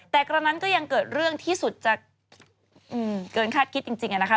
แต่กระนั้นก็ยังเกิดเรื่องที่สุดจะเกินคาดคิดจริงนะคะ